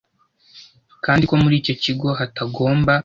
kandi ko muri icyo kigo hatagomba